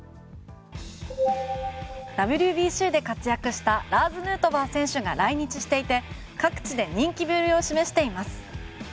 ＷＢＣで活躍したラーズ・ヌートバー選手が来日していて各地で人気ぶりを示しています。